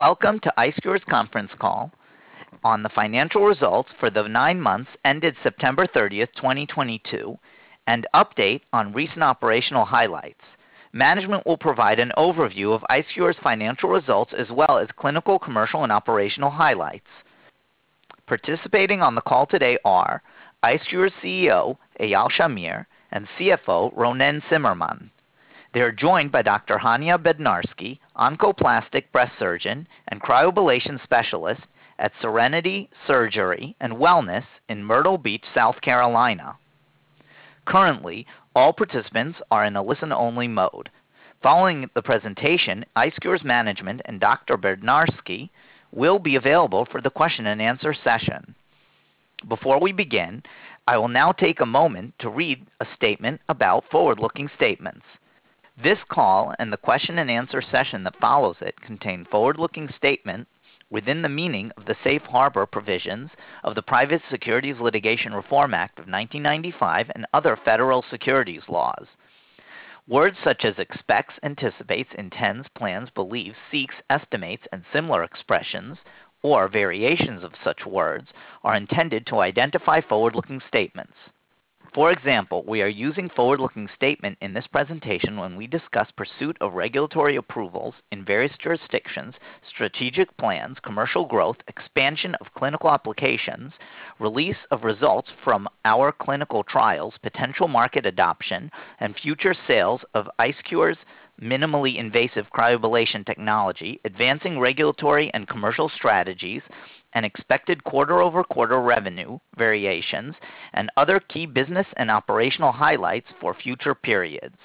Welcome to IceCure's conference call on the financial results for the nine months ended September 30, 2022, and update on recent operational highlights. Management will provide an overview of IceCure's financial results as well as clinical, commercial, and operational highlights. Participating on the call today are IceCure's CEO, Eyal Shamir, and CFO, Ronen Tsimerman. They are joined by Dr. Hania Bednarski, oncoplastic breast surgeon and cryoablation specialist at Serenity Surgery & Wellness in Myrtle Beach, South Carolina. Currently, all participants are in a listen-only mode. Following the presentation, IceCure's management and Dr. Bednarski will be available for the question and answer session. Before we begin, I will now take a moment to read a statement about forward-looking statements. This call and the question and answer session that follows it contain forward-looking statements within the meaning of the Safe Harbor provisions of the Private Securities Litigation Reform Act of 1995 and other federal securities laws. Words such as expects, anticipates, intends, plans, believes, seeks, estimates, and similar expressions or variations of such words are intended to identify forward-looking statements. For example, we are using forward-looking statement in this presentation when we discuss pursuit of regulatory approvals in various jurisdictions, strategic plans, commercial growth, expansion of clinical applications, release of results from our clinical trials, potential market adoption, and future sales of IceCure's minimally invasive cryoablation technology, advancing regulatory and commercial strategies, and expected quarter-over-quarter revenue variations, and other key business and operational highlights for future periods.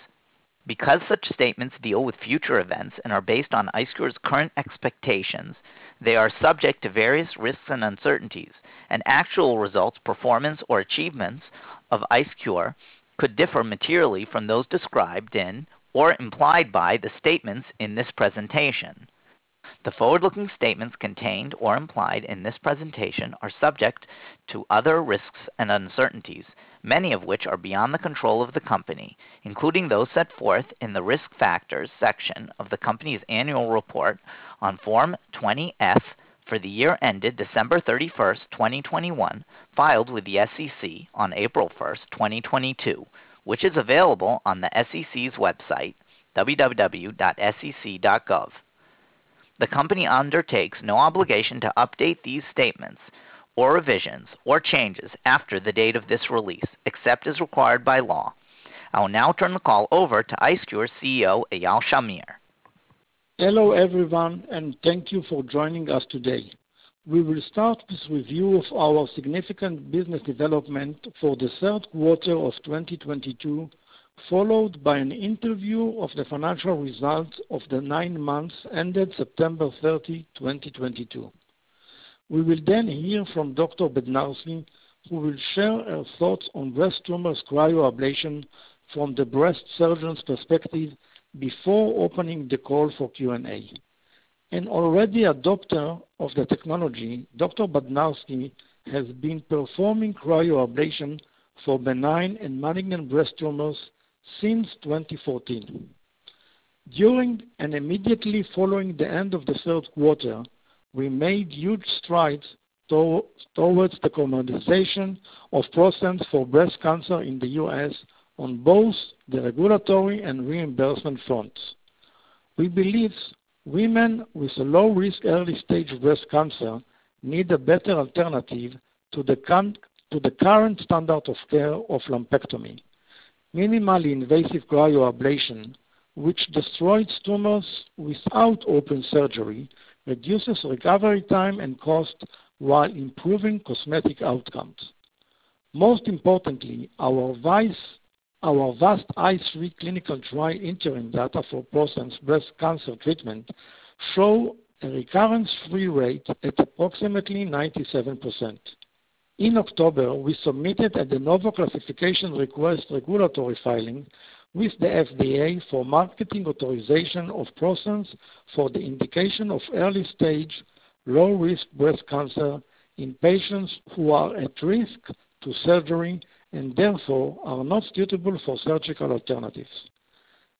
Because such statements deal with future events and are based on IceCure's current expectations, they are subject to various risks and uncertainties, and actual results, performance, or achievements of IceCure could differ materially from those described in or implied by the statements in this presentation. The forward-looking statements contained or implied in this presentation are subject to other risks and uncertainties, many of which are beyond the control of the company, including those set forth in the Risk Factors section of the company's annual report on Form 20-F for the year ended December 31, 2021, filed with the SEC on April 1, 2022, which is available on the SEC's website, www.sec.gov. The company undertakes no obligation to update these statements or revisions or changes after the date of this release, except as required by law. I will now turn the call over to IceCure's CEO, Eyal Shamir. Hello, everyone, thank you for joining us today. We will start this review of our significant business development for the third quarter of 2022, followed by an interview of the financial results of the nine months ended September 30, 2022. We will hear from Dr. Bednarski, who will share her thoughts on breast tumors cryoablation from the breast surgeon's perspective before opening the call for Q&A. Already a doctor of the technology, Dr. Bednarski has been performing cryoablation for benign and malignant breast tumors since 2014. During and immediately following the end of the third quarter, we made huge strides towards the commoditization of ProSense® for breast cancer in the U.S. on both the regulatory and reimbursement fronts. We believe women with a low-risk early stage breast cancer need a better alternative to the current standard of care of lumpectomy. Minimally invasive cryoablation, which destroys tumors without open surgery, reduces recovery time and cost while improving cosmetic outcomes. Most importantly, our vast ICE3 clinical trial interim data for ProSense® breast cancer treatment show a recurrence-free rate at approximately 97%. In October, we submitted a De Novo classification request regulatory filing with the FDA for marketing authorization of ProSense® for the indication of early-stage, low-risk breast cancer in patients who are at risk to surgery and therefore are not suitable for surgical alternatives.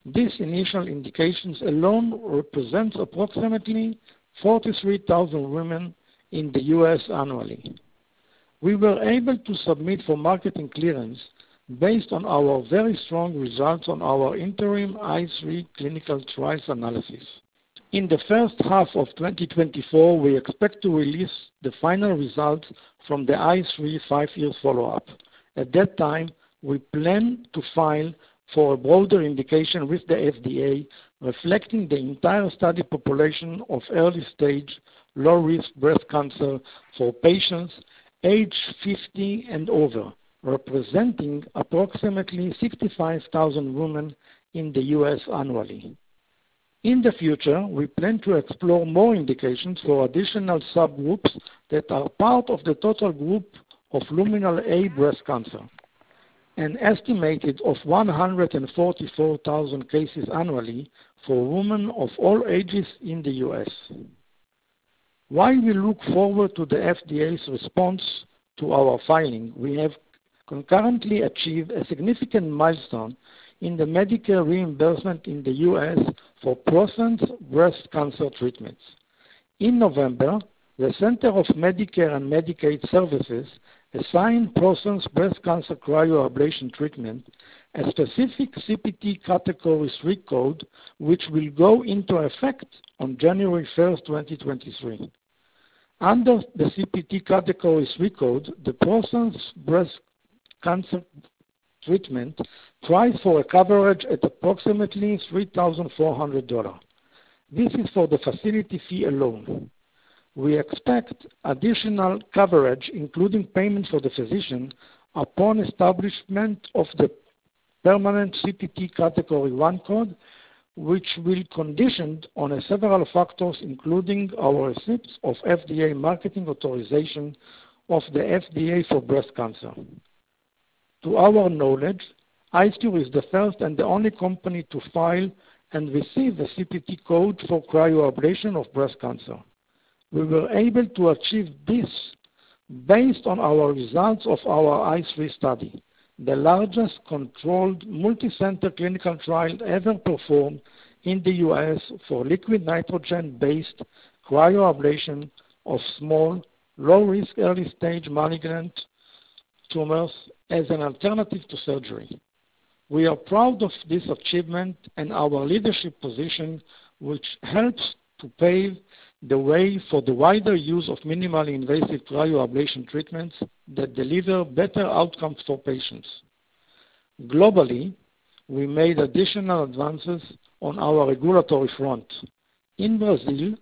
These initial indications alone represents approximately 43,000 women in the U.S. annually. We were able to submit for marketing clearance based on our very strong results on our interim ICE3 clinical trials analysis. In the first half of 2024, we expect to release the final results from the ICE3 five-year follow-up. At that time, we plan to file for a bolder indication with the FDA, reflecting the entire study population of early stage, low-risk breast cancer for patients aged 50 and over, representing approximately 65,000 women in the U.S. annually. In the future, we plan to explore more indications for additional subgroups that are part of the total group of Luminal A breast cancer, an estimated of 144,000 cases annually for women of all ages in the U.S. While we look forward to the FDA's response to our filing, we have concurrently achieved a significant milestone in the Medicare reimbursement in the U.S. for ProSense® breast cancer treatments. In November, the Centers for Medicare & Medicaid Services assigned ProSense® breast cancer cryoablation treatment, a specific CPT Category III code, which will go into effect on January 1st, 2023. Under the CPT Category III code, the ProSense® breast cancer treatment tries for a coverage at approximately $3,400. This is for the facility fee alone. We expect additional coverage, including payments for the physician, upon establishment of the permanent CPT Category I code, which will conditioned on several factors, including our receipts of FDA marketing authorization of the FDA for breast cancer. To our knowledge, IceCure is the first and the only company to file and receive a CPT code for cryoablation of breast cancer. We were able to achieve this based on our results of our ICE3 study, the largest controlled multicenter clinical trial ever performed in the US for liquid nitrogen-based cryoablation of small, low-risk, early-stage malignant tumors as an alternative to surgery. We are proud of this achievement and our leadership position, which helps to pave the way for the wider use of minimally invasive cryoablation treatments that deliver better outcomes for patients. Globally, we made additional advances on our regulatory front. In Brazil,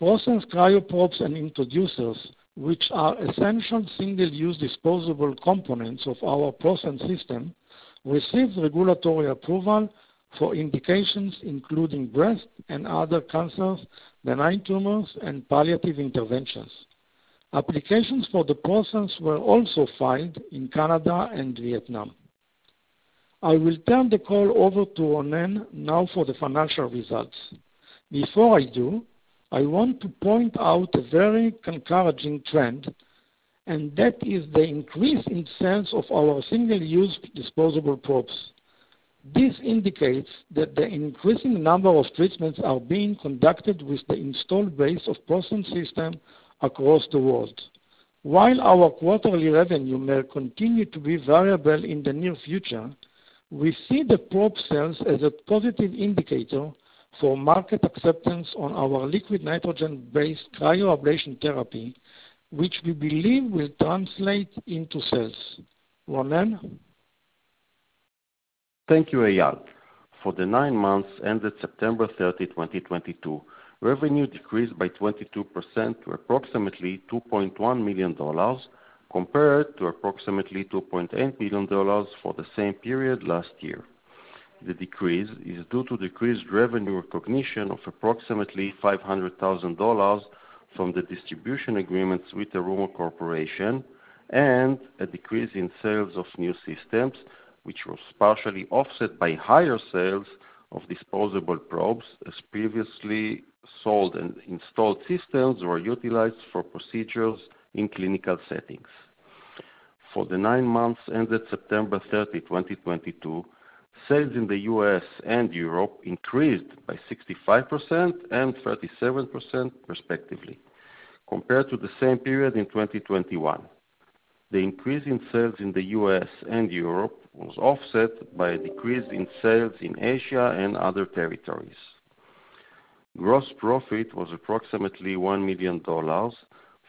ProSense® cryoprobes and introducers, which are essential single-use disposable components of our ProSense® system, received regulatory approval for indications including breast and other cancers, benign tumors, and palliative interventions. Applications for the ProSense® were also filed in Canada and Vietnam. I will turn the call over to Ronen now for the financial results. Before I do, I want to point out a very encouraging trend, and that is the increase in sales of our single-use disposable probes. This indicates that the increasing number of treatments are being conducted with the installed base of ProSense® system across the world. While our quarterly revenue may continue to be variable in the near future, we see the probe sales as a positive indicator for market acceptance on our liquid nitrogen-based cryoablation therapy, which we believe will translate into sales. Ronen? Thank you, Eyal. For the nine months ended September 30, 2022, revenue decreased by 22% to approximately $2.1 million compared to approximately $2.8 million for the same period last year. The decrease is due to decreased revenue recognition of approximately $500,000 from the distribution agreements with the Terumo Corporation and a decrease in sales of new systems, which was partially offset by higher sales of disposable probes, as previously sold and installed systems were utilized for procedures in clinical settings. For the nine months ended September 30, 2022, sales in the U.S. and Europe increased by 65% and 37% respectively, compared to the same period in 2021. The increase in sales in the U.S. and Europe was offset by a decrease in sales in Asia and other territories. Gross profit was approximately $1 million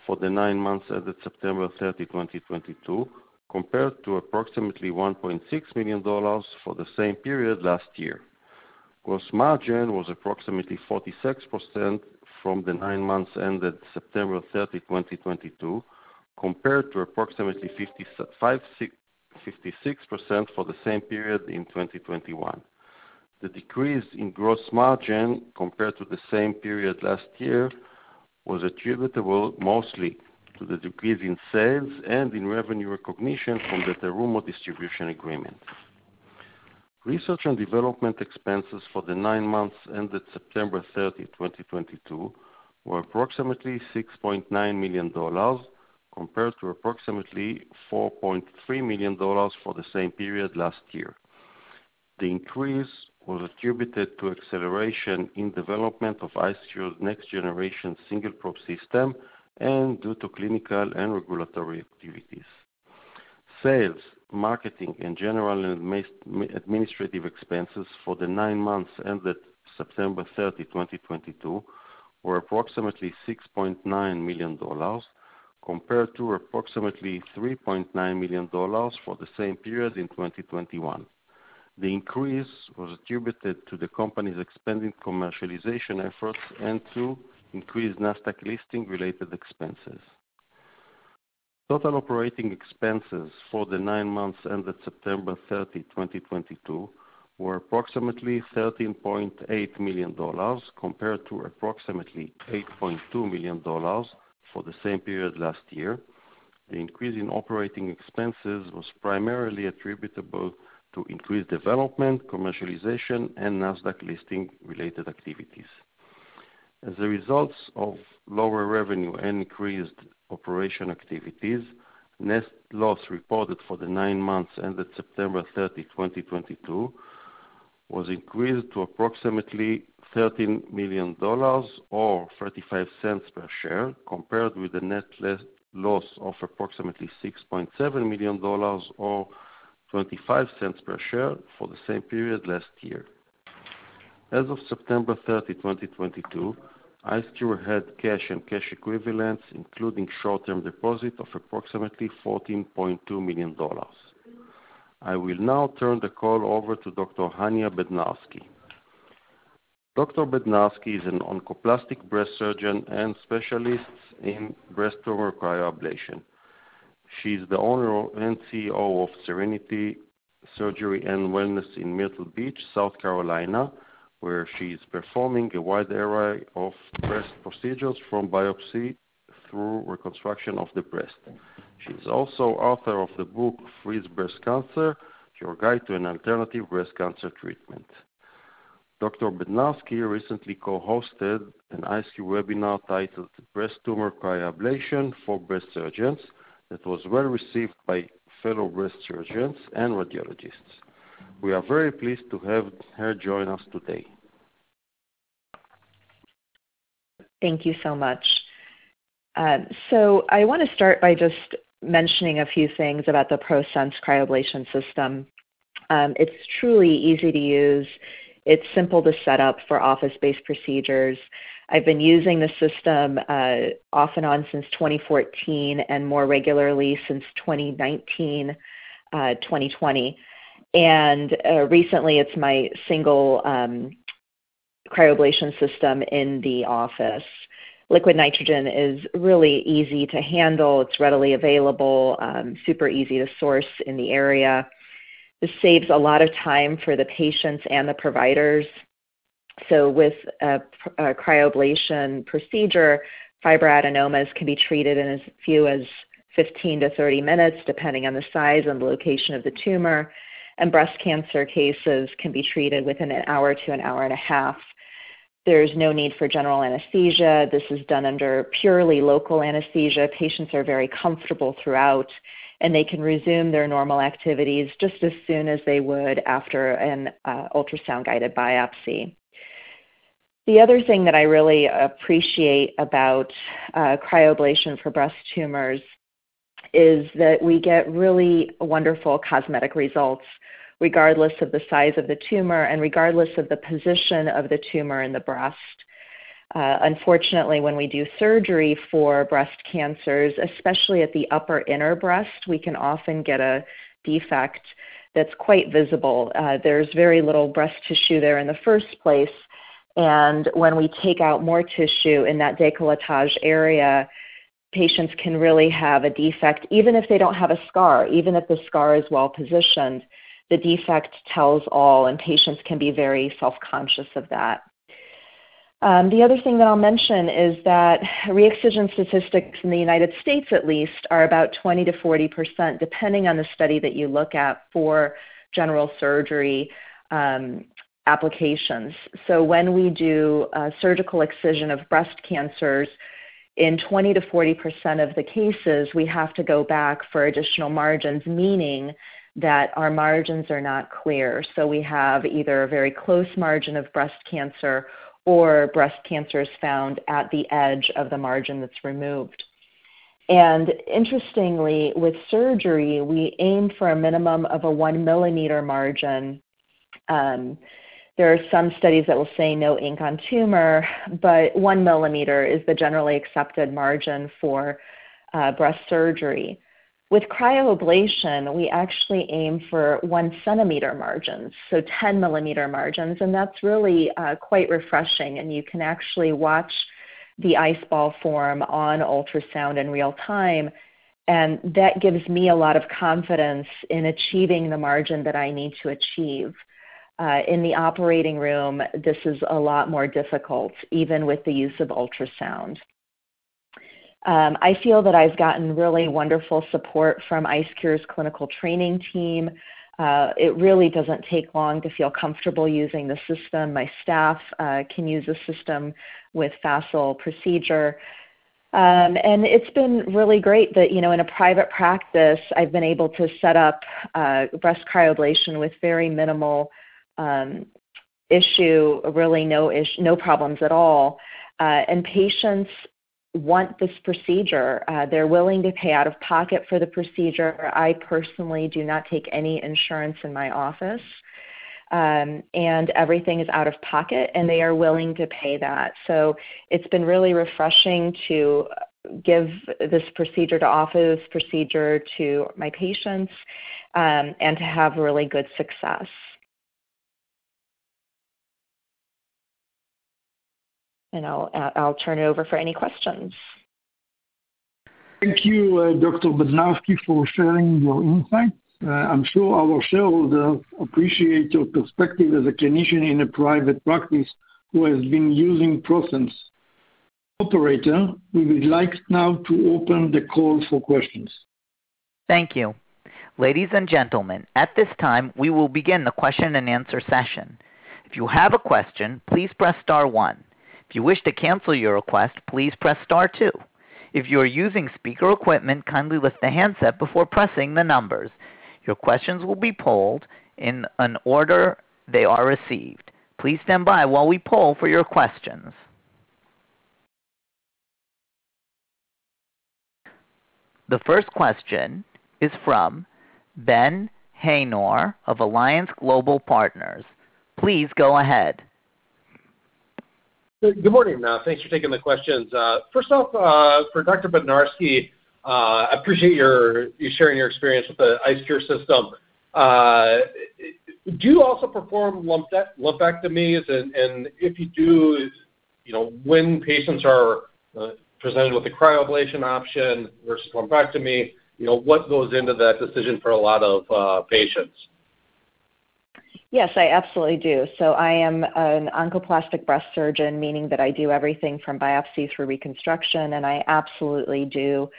for the nine months ended September 30, 2022, compared to approximately $1.6 million for the same period last year. Gross margin was approximately 46% from the nine months ended September 30, 2022, compared to approximately 56% for the same period in 2021. The decrease in gross margin compared to the same period last year was attributable mostly to the decrease in sales and in revenue recognition from the Terumo distribution agreement. Research and development expenses for the nine months ended September 30, 2022, were approximately $6.9 million, compared to approximately $4.3 million for the same period last year. The increase was attributed to acceleration in development of IceCure's next generation single-probe system and due to clinical and regulatory activities. Sales, marketing, and general and administrative expenses for the nine months ended September 30, 2022, were approximately $6.9 million compared to approximately $3.9 million for the same period in 2021. The increase was attributed to the company's expanding commercialization efforts and to increased Nasdaq listing related expenses. Total operating expenses for the nine months ended September 30, 2022, were approximately $13.8 million compared to approximately $8.2 million for the same period last year. The increase in operating expenses was primarily attributable to increased development, commercialization, and Nasdaq listing related activities. As a result of lower revenue and increased operation activities, net loss reported for the nine months ended September 30, 2022, was increased to approximately $13 million or $0.35 per share, compared with the net loss of approximately $6.7 million or $0.25 per share for the same period last year. As of September 30, 2022, IceCure had cash and cash equivalents, including short-term deposit of approximately $14.2 million. I will now turn the call over to Dr. Hania Bednarski. Dr. Bednarski is an oncoplastic breast surgeon and specialist in breast tumor cryoablation. She's the owner and CEO of Serenity Surgery & Wellness in Myrtle Beach, South Carolina, where she is performing a wide array of breast procedures from biopsy through reconstruction of the breast. She's also author of the book Freeze Breast Cancer: Your Guide to an Alternative Breast Cancer Treatment. Dr. Bednarski recently co-hosted an IceCure webinar titled Breast Tumor Cryoablation for Breast Surgeons that was well-received by fellow breast surgeons and radiologists. We are very pleased to have her join us today. Thank you so much. I wanna start by just mentioning a few things about the ProSense® cryoablation system. It's truly easy to use. It's simple to set up for office-based procedures. I've been using the system, off and on since 2014 and more regularly since 2019, 2020. Recently it's my single cryoablation system in the office. Liquid nitrogen is really easy to handle. It's readily available, super easy to source in the area. This saves a lot of time for the patients and the providers. With a cryoablation procedure, fibroadenomas can be treated in as few as 15-30 minutes, depending on the size and the location of the tumor. Breast cancer cases can be treated within 1 hour-1.5 hours. There's no need for general anesthesia. This is done under purely local anesthesia. Patients are very comfortable throughout, and they can resume their normal activities just as soon as they would after an ultrasound-guided biopsy. The other thing that I really appreciate about cryoablation for breast tumors is that we get really wonderful cosmetic results regardless of the size of the tumor and regardless of the position of the tumor in the breast. Unfortunately, when we do surgery for breast cancers, especially at the upper inner breast, we can often get a defect that's quite visible. There's very little breast tissue there in the first place, and when we take out more tissue in that décolletage area, patients can really have a defect even if they don't have a scar. Even if the scar is well-positioned, the defect tells all, and patients can be very self-conscious of that. The other thing that I'll mention is that re-excision statistics in the United States at least are about 20%-40%, depending on the study that you look at for general surgery, applications. When we do a surgical excision of breast cancers, in 20%-40% of the cases, we have to go back for additional margins, meaning that our margins are not clear. We have either a very close margin of breast cancer or breast cancer is found at the edge of the margin that's removed. Interestingly, with surgery, we aim for a minimum of a 1 mm margin. There are some studies that will say no ink on tumor, but 1 mm is the generally accepted margin for breast surgery. With cryoablation, we actually aim for 1 centimeter margins, so 10 mm margins, and that's really quite refreshing. You can actually watch the ice ball form on ultrasound in real time, and that gives me a lot of confidence in achieving the margin that I need to achieve. In the operating room, this is a lot more difficult, even with the use of ultrasound. I feel that I've gotten really wonderful support from IceCure's clinical training team. It really doesn't take long to feel comfortable using the system. My staff can use the system with facile procedure. It's been really great that, you know, in a private practice I've been able to set up breast cryoablation with very minimal issue. Really no problems at all. Patients want this procedure. They're willing to pay out of pocket for the procedure. I personally do not take any insurance in my office. Everything is out of pocket, and they are willing to pay that. It's been really refreshing to give this procedure to office, procedure to my patients, and to have really good success. I'll turn it over for any questions. Thank you, Dr. Bednarski, for sharing your insights. I'm sure our shareholders appreciate your perspective as a clinician in a private practice who has been using ProSense® Operator, we would like now to open the call for questions. Thank you. Ladies and gentlemen, at this time, we will begin the question and answer session. If you have a question, please press star one. If you wish to cancel your request, please press star two. If you are using speaker equipment, kindly lift the handset before pressing the numbers. Your questions will be polled in an order they are received. Please stand by while we poll for your questions. The first question is from Ben Haynor of Alliance Global Partners. Please go ahead. Good morning. Thanks for taking the questions. First off, for Dr. Bednarski, I appreciate you sharing your experience with the IceCure system. Do you also perform lumpectomies? If you do, you know, when patients are presented with the cryoablation option versus lumpectomy, you know, what goes into that decision for a lot of patients? Yes, I absolutely do. I am an oncoplastic breast surgeon, meaning that I do everything from biopsy through reconstruction, and I absolutely do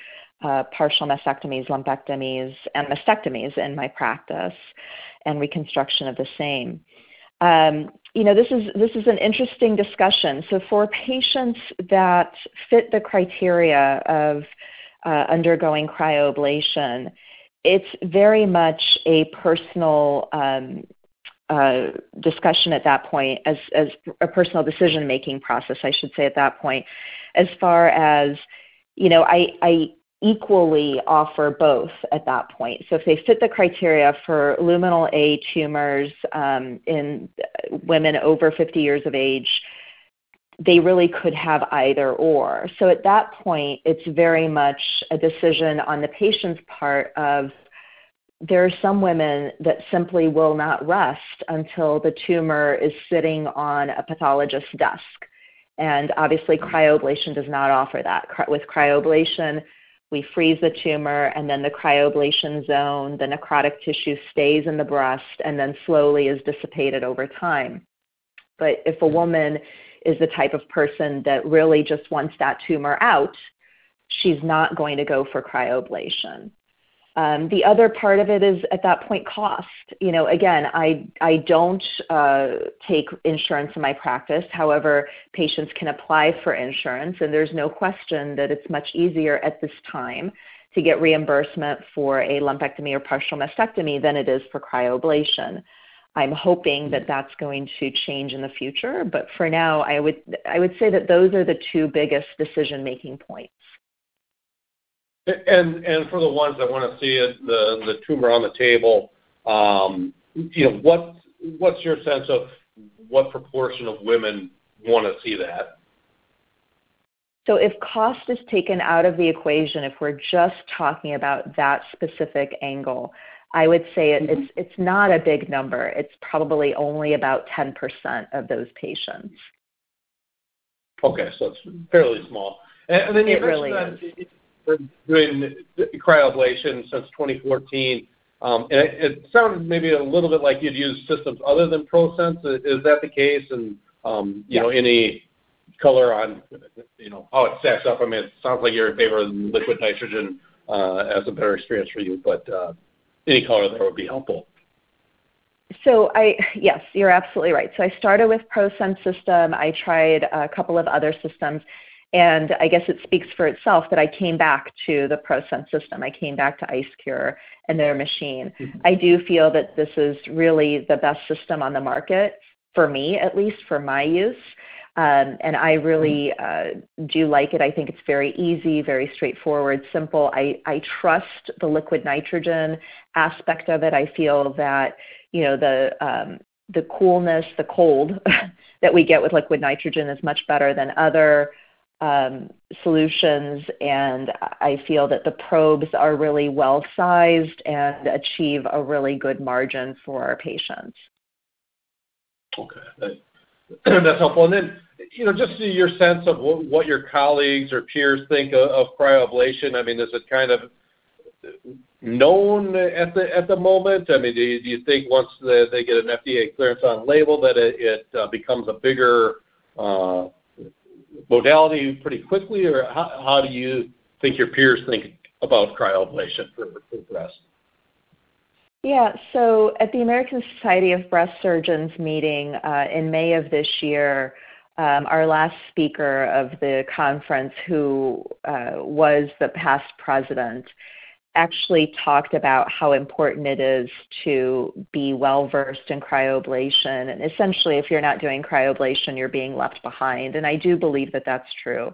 partial mastectomies, lumpectomies, and mastectomies in my practice and reconstruction of the same. You know, this is an interesting discussion. For patients that fit the criteria of undergoing cryoablation, it's very much a personal discussion at that point as a personal decision-making process, I should say, at that point, as far as, you know, I equally offer both at that point. If they fit the criteria for Luminal A tumors in women over 50 years of age, they really could have either/or. At that point, it's very much a decision on the patient's part of there are some women that simply will not rest until the tumor is sitting on a pathologist desk. Obviously, cryoablation does not offer that. With cryoablation, we freeze the tumor, and then the cryoablation zone, the necrotic tissue stays in the breast and then slowly is dissipated over time. If a woman is the type of person that really just wants that tumor out, she's not going to go for cryoablation. The other part of it is at that point cost. You know, again, I don't take insurance in my practice. However, patients can apply for insurance, and there's no question that it's much easier at this time to get reimbursement for a lumpectomy or partial mastectomy than it is for cryoablation. I'm hoping that that's going to change in the future, for now, I would say that those are the two biggest decision-making points. For the ones that want to see it, the tumor on the table, you know, what's your sense of what proportion of women want to see that? If cost is taken out of the equation, if we're just talking about that specific angle, I would say it's not a big number. It's probably only about 10% of those patients. Okay. It's fairly small. It really is. You mentioned that you've been doing cryoablation since 2014. It sounds maybe a little bit like you'd use systems other than ProSense®. Is that the case? You know, any color on, you know, how it stacks up? I mean, it sounds like you're in favor of liquid nitrogen, as a better experience for you, but, any color there would be helpful. Yes, you're absolutely right. I started with ProSense® system. I tried a couple of other systems, and I guess it speaks for itself that I came back to the ProSense® system. I came back to IceCure and their machine. I do feel that this is really the best system on the market for me, at least for my use. I really do like it. I think it's very easy, very straightforward, simple. I trust the liquid nitrogen aspect of it. I feel that, you know, the coolness, the cold that we get with liquid nitrogen is much better than other solutions. I feel that the probes are really well sized and achieve a really good margin for our patients. That's helpful. you know, just your sense of what your colleagues or peers think of cryoablation. I mean, is it kind of known at the, at the moment? I mean, do you think once they get an FDA clearance on label that it becomes a bigger modality pretty quickly? how do you think your peers think about cryoablation for breast? Yeah. At the American Society of Breast Surgeons meeting, in May of this year, our last speaker of the conference who was the past president, actually talked about how important it is to be well-versed in cryoablation. Essentially, if you're not doing cryoablation, you're being left behind. I do believe that that's true.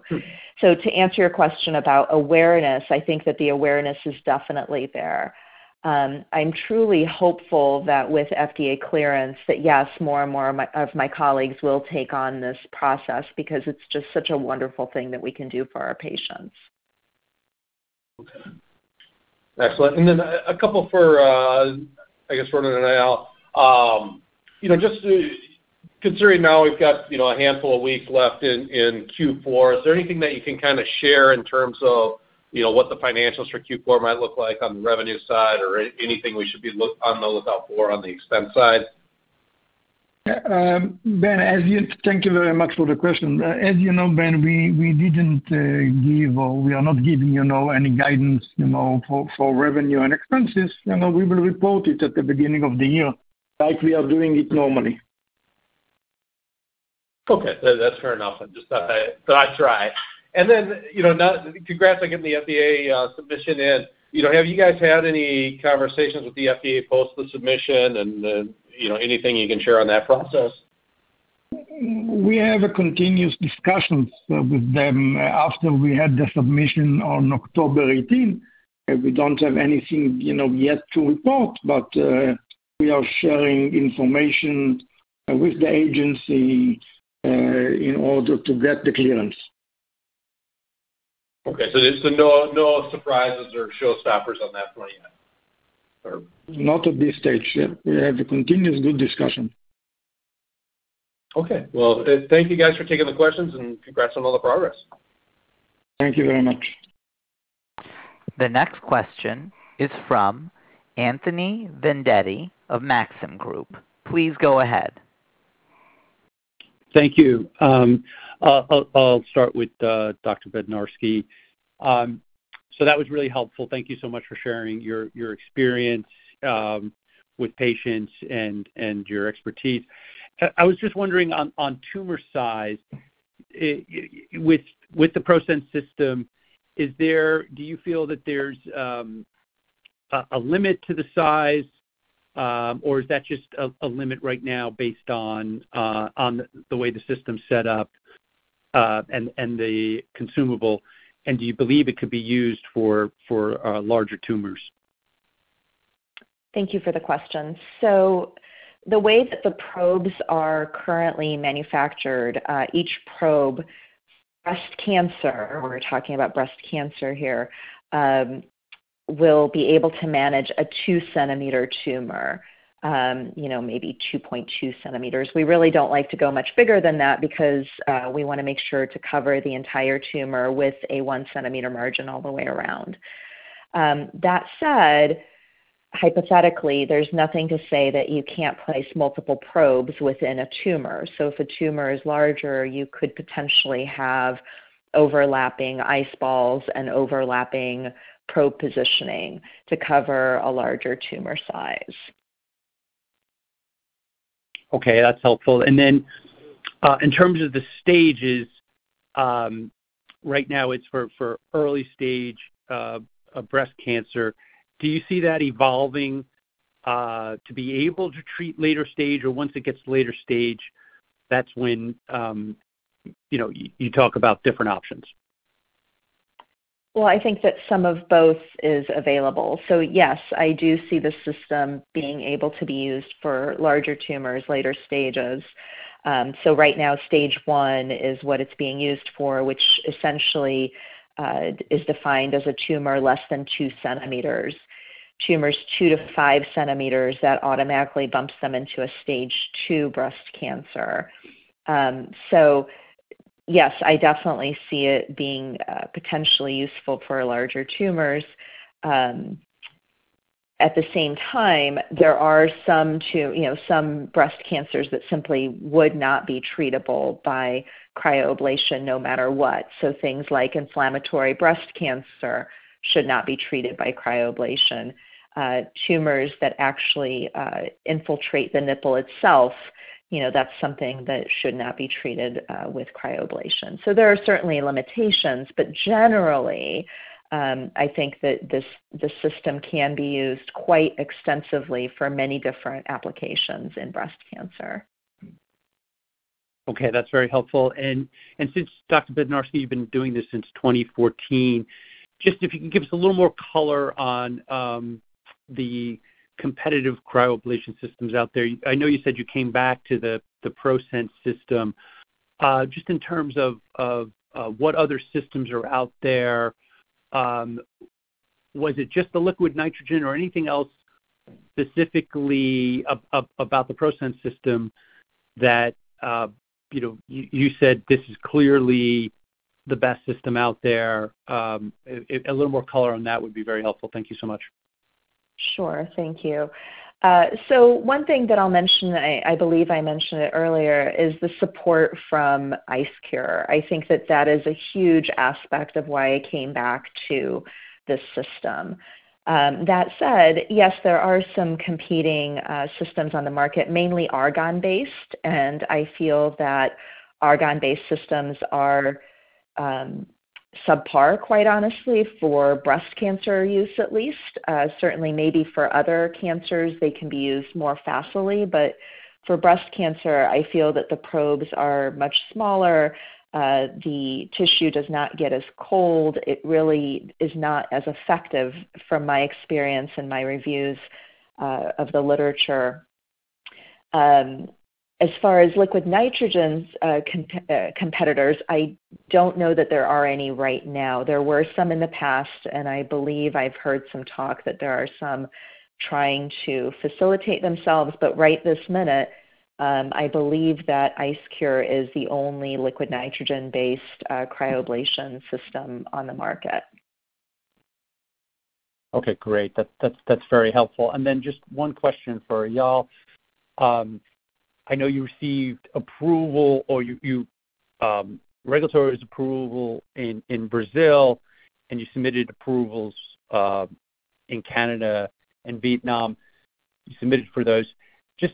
To answer your question about awareness, I think that the awareness is definitely there. I'm truly hopeful that with FDA clearance, that yes, more and more of my colleagues will take on this process because it's just such a wonderful thing that we can do for our patients. Okay. Excellent. A couple for, I guess for Eyal. You know, just considering now we've got, you know, a handful of weeks left in Q4, is there anything that you can kinda share in terms of, you know, what the financials for Q4 might look like on the revenue side or anything we should be on the lookout for on the expense side? Ben, thank you very much for the question. As you know, Ben, we didn't give or we are not giving, you know, any guidance, you know, for revenue and expenses. You know, we will report it at the beginning of the year like we are doing it normally. Okay. That's fair enough. I try. You know, now congrats on getting the FDA submission in. You know, have you guys had any conversations with the FDA post the submission? You know, anything you can share on that process? We have a continuous discussions with them after we had the submission on October 18th. We don't have anything, you know, yet to report, but we are sharing information with the agency in order to get the clearance. Okay. There's no surprises or showstoppers on that front yet. Not at this stage. We have a continuous good discussion. Okay. Well, thank you guys for taking the questions, and congrats on all the progress. Thank you very much. The next question is from Anthony Vendetti of Maxim Group. Please go ahead. Thank you. I'll start with Dr. Bednarski. That was really helpful. Thank you so much for sharing your experience with patients and your expertise. I was just wondering on tumor size. With the ProSense® system, do you feel that there's a limit to the size, or is that just a limit right now based on the way the system's set up and the consumable, and do you believe it could be used for larger tumors? Thank you for the question. The way that the probes are currently manufactured, each probe, breast cancer, we're talking about breast cancer here, will be able to manage a 2 centimeter tumor, you know, maybe 2.2 cm. We really don't like to go much bigger than that because we wanna make sure to cover the entire tumor with a 1 centimeter margin all the way around. That said, hypothetically, there's nothing to say that you can't place multiple probes within a tumor. If a tumor is larger, you could potentially have overlapping ice balls and overlapping probe positioning to cover a larger tumor size. Okay, that's helpful. In terms of the stages, right now it's for early stage breast cancer. Do you see that evolving to be able to treat later stage, or once it gets to later stage, that's when, you know, you talk about different options? I think that some of both is available. Yes, I do see the system being able to be used for larger tumors, later stages. Right now, stage I is what it's being used for, which essentially is defined as a tumor less than 2 cm. Tumors 2 to 5 cm, that automatically bumps them into a stage II breast cancer. Yes, I definitely see it being potentially useful for larger tumors. At the same time, there are some you know, some breast cancers that simply would not be treatable by cryoablation no matter what. Things like inflammatory breast cancer should not be treated by cryoablation. Tumors that actually infiltrate the nipple itself, you know, that's something that should not be treated with cryoablation. There are certainly limitations, but generally, I think that this system can be used quite extensively for many different applications in breast cancer. Okay, that's very helpful. Since Dr. Bednarski, you've been doing this since 2014, just if you can give us a little more color on the competitive cryoablation systems out there. I know you said you came back to the ProSense® system. Just in terms of what other systems are out there, was it just the liquid nitrogen or anything else specifically about the ProSense® system that, you know, you said this is clearly the best system out there? A little more color on that would be very helpful. Thank you so much. Thank you. One thing that I'll mention, I believe I mentioned it earlier, is the support from IceCure. I think that that is a huge aspect of why I came back to this system. That said, yes, there are some competing systems on the market, mainly argon-based, and I feel that argon-based systems are subpar, quite honestly, for breast cancer use at least. Certainly maybe for other cancers they can be used more facilely. For breast cancer, I feel that the probes are much smaller. The tissue does not get as cold. It really is not as effective from my experience and my reviews of the literature. As far as liquid nitrogen's competitors, I don't know that there are any right now. There were some in the past, and I believe I've heard some talk that there are some trying to facilitate themselves. Right this minute, I believe that IceCure is the only liquid nitrogen-based cryoablation system on the market. Okay, great. That's very helpful. Just one question for Eyal. I know you received approval or you, regulatory's approval in Brazil, and you submitted approvals in Canada and Vietnam. You submitted for those. Just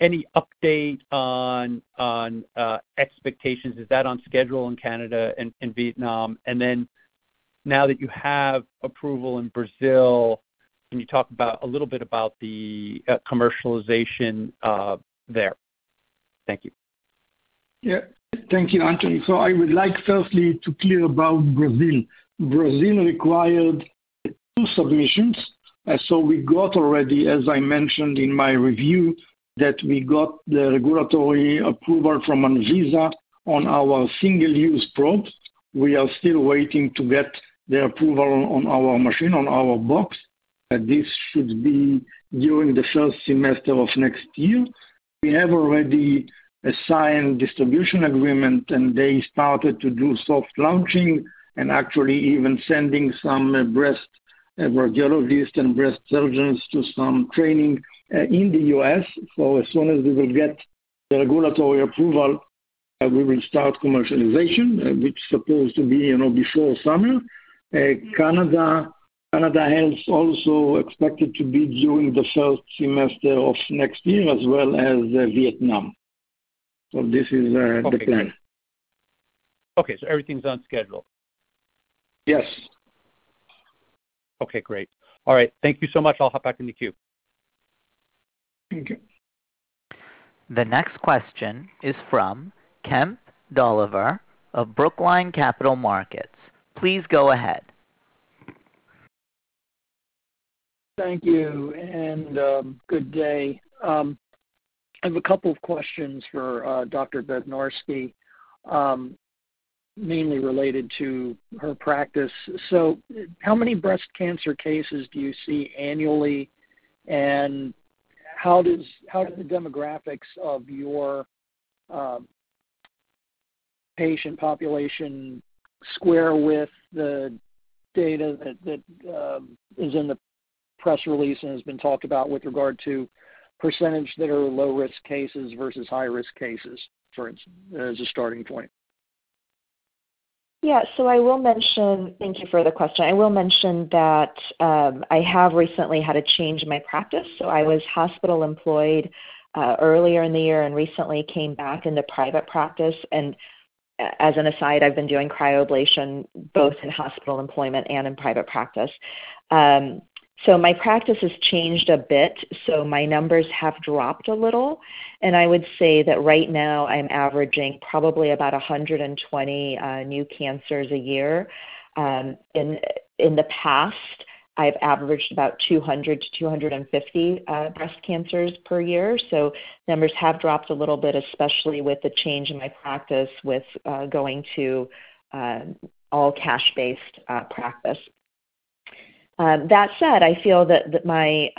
any update on expectations? Is that on schedule in Canada and Vietnam? Now that you have approval in Brazil, can you talk a little bit about the commercialization there? Thank you. Yeah. Thank you, Anthony. I would like firstly to clear about Brazil. Brazil required two submissions. We got already, as I mentioned in my review, that we got the regulatory approval from ANVISA on our single-use probes. We are still waiting to get the approval on our machine, on our box. And this should be during the first semester of next year. We have already a signed distribution agreement, and they started to do soft launching and actually even sending some breast radiologist and breast surgeons to some training, in the U.S. As soon as we will get the regulatory approval, we will start commercialization, which supposed to be, you know, before summer. Canada is also expected to be during the first semester of next year, as well as, Vietnam. This is the plan. Okay. Everything's on schedule? Yes. Okay, great. All right. Thank you so much. I'll hop back in the queue. Thank you. The next question is from Kemp Dolliver of Brookline Capital Markets. Please go ahead. Thank you, and good day. I have a couple of questions for Dr. Bednarski, mainly related to her practice. How many breast cancer cases do you see annually, and how do the demographics of your patient population square with the data that is in the press release and has been talked about with regard to percentage that are low-risk cases versus high-risk cases, as a starting point? Yeah. I will mention, thank you for the question. I will mention that I have recently had a change in my practice, so I was hospital employed earlier in the year and recently came back into private practice. As an aside, I've been doing cryoablation both in hospital employment and in private practice. My practice has changed a bit, so my numbers have dropped a little. I would say that right now I'm averaging probably about 120 new cancers a year. In the past, I've averaged about 200-250 breast cancers per year. Numbers have dropped a little bit, especially with the change in my practice with going to all cash-based practice. That said, I feel that my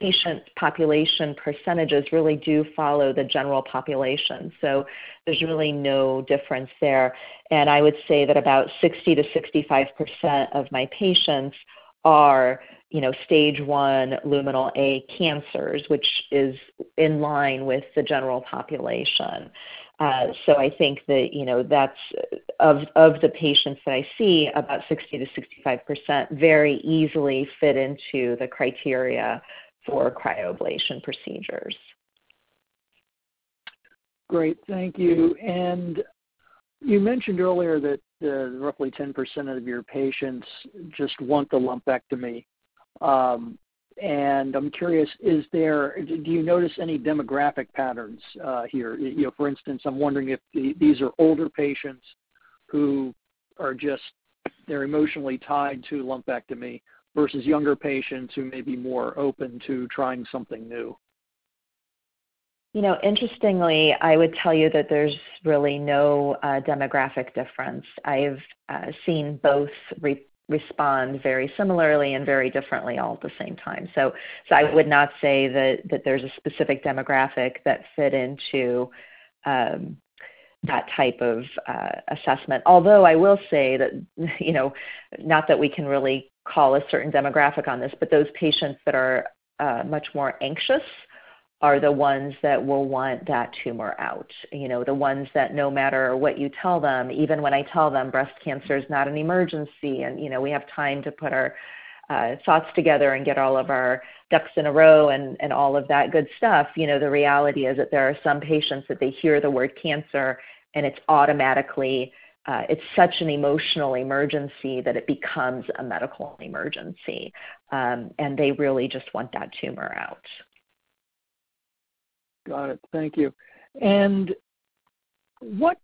patient population percentages really do follow the general population. There's really no difference there. I would say that about 60%-65% of my patients are, you know, stage one Luminal A cancers, which is in line with the general population. I think that, you know, of the patients that I see, about 60%-65% very easily fit into the criteria for cryoablation procedures. Great. Thank you. You mentioned earlier that, roughly 10% of your patients just want the lumpectomy. I'm curious, do you notice any demographic patterns here? You know, for instance, I'm wondering if these are older patients who are just, they're emotionally tied to lumpectomy versus younger patients who may be more open to trying something new. You know, interestingly, I would tell you that there's really no demographic difference. I've seen both respond very similarly and very differently all at the same time. I would not say that there's a specific demographic that fit into that type of assessment. Although I will say that, you know, not that we can really call a certain demographic on this, but those patients that are much more anxious are the ones that will want that tumor out. You know, the ones that no matter what you tell them, even when I tell them breast cancer is not an emergency and, you know, we have time to put our thoughts together and get all of our ducks in a row and all of that good stuff, you know, the reality is that there are some patients that they hear the word cancer, and it's automatically, it's such an emotional emergency that it becomes a medical emergency, and they really just want that tumor out. Got it. Thank you. What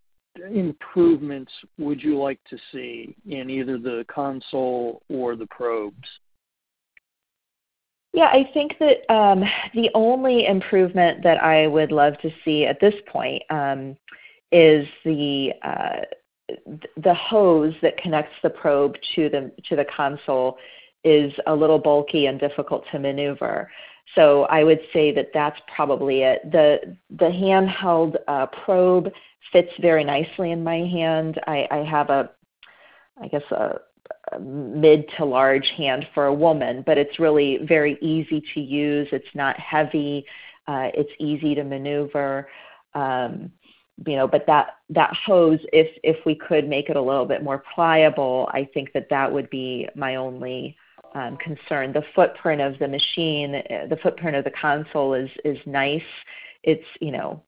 improvements would you like to see in either the console or the probes? Yeah. I think that the only improvement that I would love to see at this point is the hose that connects the probe to the console is a little bulky and difficult to maneuver. I would say that that's probably it. The handheld probe fits very nicely in my hand. I have a mid to large hand for a woman, but it's really very easy to use. It's not heavy. It's easy to maneuver. You know, that hose, if we could make it a little bit more pliable, I think that that would be my only concern. The footprint of the machine, the footprint of the console is nice. It's, you know.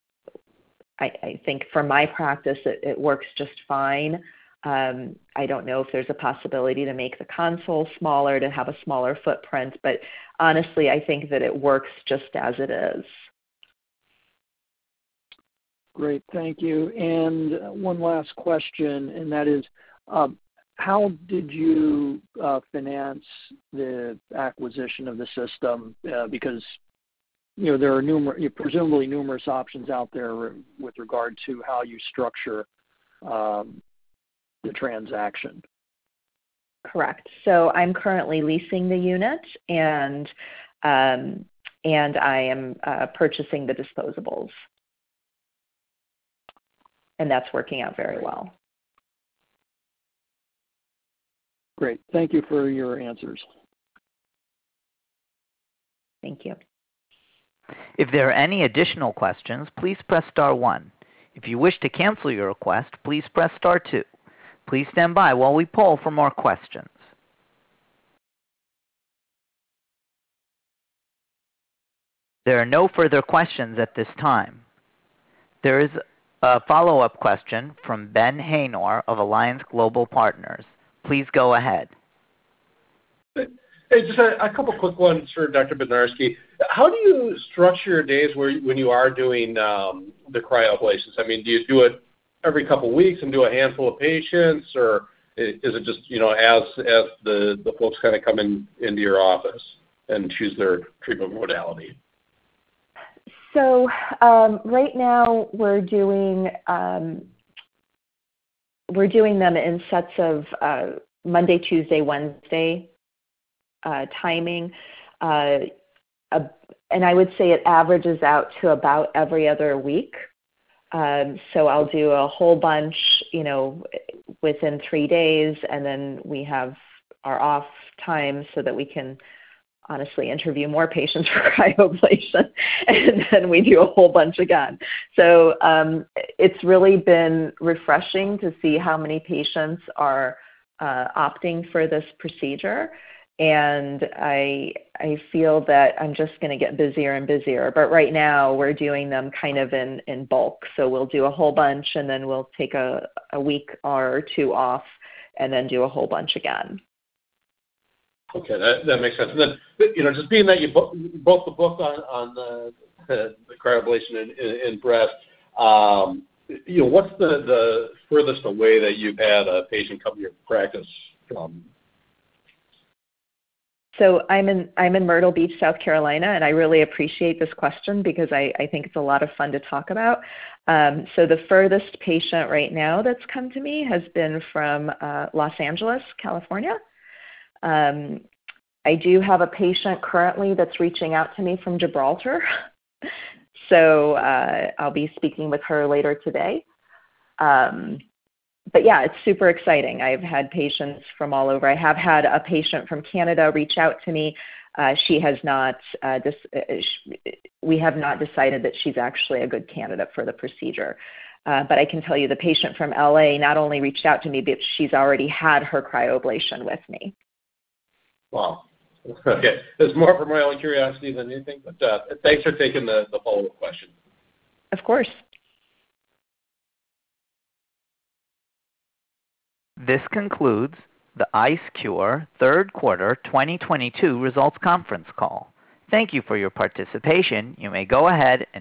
I think for my practice, it works just fine. I don't know if there's a possibility to make the console smaller to have a smaller footprint, but honestly, I think that it works just as it is. Great. Thank you. One last question, and that is, how did you finance the acquisition of the system? Because, you know, there are presumably numerous options out there with regard to how you structure the transaction. Correct. I'm currently leasing the unit, and I am purchasing the disposables. That's working out very well. Great. Thank you for your answers. Thank you. If there are any additional questions, please press star 1. If you wish to cancel your request, please press star 2. Please stand by while we poll for more questions. There are no further questions at this time. There is a follow-up question from Ben Haynor of Alliance Global Partners. Please go ahead. Hey, just a couple quick ones for Dr. Bednarski. How do you structure your days where, when you are doing the cryoablation? I mean, do you do it every couple weeks and do a handful of patients, or is it just, you know, as the folks kinda come into your office and choose their treatment modality? Right now we're doing, we're doing them in sets of Monday, Tuesday, Wednesday, timing. I would say it averages out to about every other week. I'll do a whole bunch, you know, within 3 days, and then we have our off time so that we can honestly interview more patients for cryoablation, and then we do a whole bunch again. It's really been refreshing to see how many patients are opting for this procedure. I feel that I'm just gonna get busier and busier. Right now we're doing them kind of in bulk. We'll do a whole bunch, and then we'll take a week or two off, and then do a whole bunch again. Okay. That makes sense. You know, just being that you wrote the book on the cryoablation in breast, you know, what's the furthest away that you've had a patient come to your practice from? I'm in Myrtle Beach, South Carolina, and I really appreciate this question because I think it's a lot of fun to talk about. The furthest patient right now that's come to me has been from Los Angeles, California. I do have a patient currently that's reaching out to me from Gibraltar, I'll be speaking with her later today. Yeah, it's super exciting. I've had patients from all over. I have had a patient from Canada reach out to me. She has not, We have not decided that she's actually a good candidate for the procedure. I can tell you the patient from L.A. not only reached out to me, but she's already had her cryoablation with me. Wow. Okay. It's more for my own curiosity than anything, but, thanks for taking the follow-up question. Of course. This concludes the IceCure third quarter 2022 results conference call. Thank you for your participation. You may go ahead.